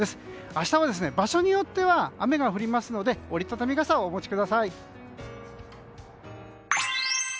明日は場所によっては雨が降りますので折り畳み傘をお持ちください。